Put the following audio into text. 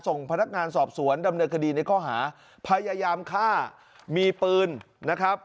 ส่งพนักงานสอบสวนดำเนินคดีในข้อหาพยายามฆ่ามีปืนนะครับ